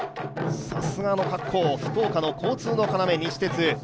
さすがの格好、福岡の交通の要、西鉄。